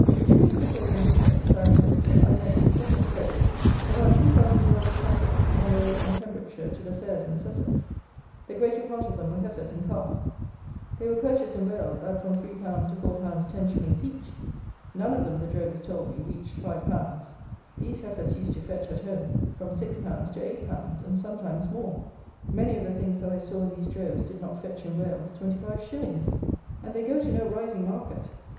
Between Cricklade and this place (Cirencester) I met, in separate droves, about two thousand Welsh Cattle, on their way from Pembrokeshire to the fairs in Sussex. The greater part of them were heifers in calf. They were purchased in Wales at from 3_l._ to 4_l._ 10_s._ each! None of them, the drovers told me, reached 5_l._ These heifers used to fetch, at home, from 6_l._ to 8_l._, and sometimes more. Many of the things that I saw in these droves did not fetch, in Wales, 25_s._ And they go to no rising market!